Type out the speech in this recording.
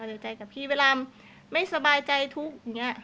อีกไว้ไม่สบายใจทุกข์